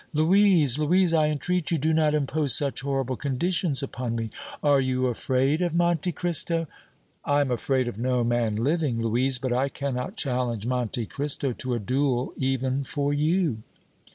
"Louise, Louise, I entreat you, do not impose such horrible conditions upon me!" "Are you afraid of Monte Cristo?" "I am afraid of no man living, Louise; but I cannot challenge Monte Cristo to a duel even for you!"